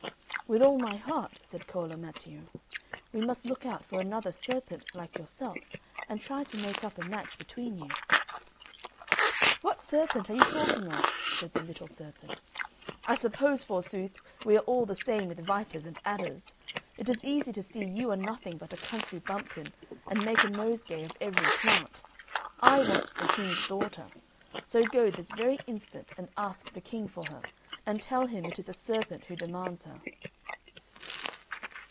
"With all my heart," said Cola Matteo. "We must look out for another serpent like yourself, and try to make up a match between you." "What serpent are you talking of?" said the little serpent. "I suppose, forsooth, we are all the same with vipers and adders! It is easy to see you are nothing but a country bumpkin, and make a nosegay of every plant. I want the King's daughter; so go this very instant and ask the King for her, and tell him it is a serpent who demands her."